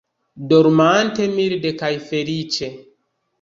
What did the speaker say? Dormante milde kaj feliĉe!